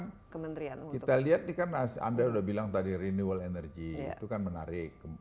ya sebenarnya saya harap kita lihat nih kan anda sudah bilang tadi renewal energy itu kan menarik